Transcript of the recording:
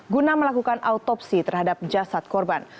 guna melakukan autopsi terhadap jasad korban